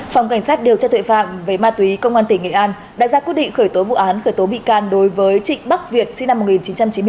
phòng cảnh sát điều tra tuệ phạm về ma túy công an tỉnh nghệ an đã ra quyết định khởi tố vụ án khởi tố bị can đối với trịnh bắc việt sinh năm một nghìn chín trăm chín mươi bốn